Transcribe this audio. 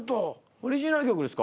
オリジナル曲ですか？